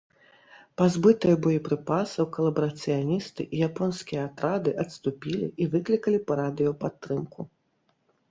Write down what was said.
Пазбытыя боепрыпасаў калабарацыяністы і японскія атрады адступілі і выклікалі па радыё падтрымку.